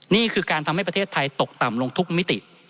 นี่คือการทำให้ประเทศไทยตกต่ำลงทุกมิติ